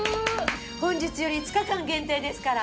本日より５日間限定ですから。